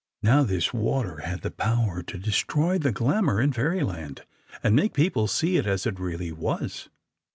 Now this water had the power to destroy the "glamour" in Fairyland, and make people see it as it really was.